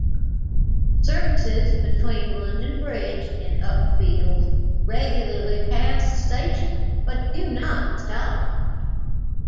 Services between London Bridge and Uckfield regularly pass the station, but do not stop.